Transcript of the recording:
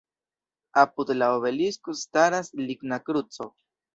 Apud la obelisko staras ligna kruco.